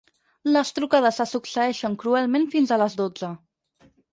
Les trucades se succeeixen cruelment fins a les dotze.